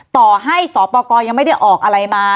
ต่อให้สปกรยังไม่ได้ออกอะไรมา